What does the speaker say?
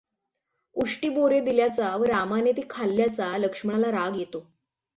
उष्टी बोरे दिल्ल्याचा व रामाने ती खाल्याचा लक्ष्मणाला राग येतो.